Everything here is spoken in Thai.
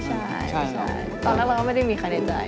ใช่ตอนแรกเราก็ไม่ได้มีใครในใจ